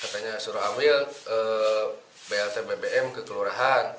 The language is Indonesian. katanya suruh ambil blt bbm ke kelurahan